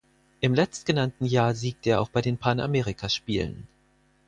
Im letztgenannten Jahr siegte er auch bei den Panamerikaspielen.